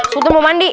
sultan mau mandi